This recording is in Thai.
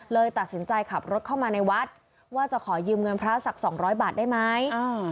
เลยตัดสินใจขับรถเข้ามาในวัดว่าจะขอยืมเงินพระศักดิ์๒๐๐บาทได้ไหม